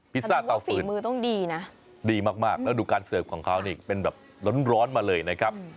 พิซซ่าเตาฟื้นดีมากแล้วก็ดูการเสิร์ฟของเขาเป็นแบบร้อนมาเลยนะครับ